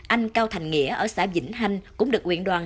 anh cao thành nghĩa ở xã vĩnh hanh cũng được nguyện đoàn